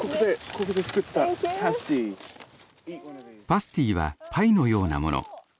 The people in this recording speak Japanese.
パスティはパイのようなもの。